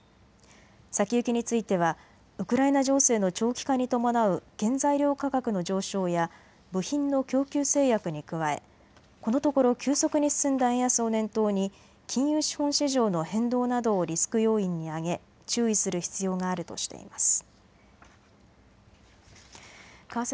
先行きについてはウクライナ情勢の長期化に伴う原材料価格の上昇や部品の供給制約に加えこのところ急速に進んだ円安を念頭に金融資本市場の変動などをリスク要因に挙げ注意する必要があるとしています。